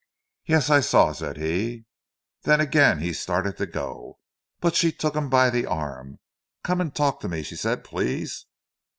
"Yes, I saw," said he. Then again he started to go. But she took him by the arm. "Come and talk to me," she said. "Please!"